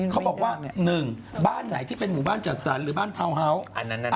เขาบอกว่า๑บ้านไหนที่เป็นหมู่บ้านจัดสรรหรือบ้านทาวน์เฮาส์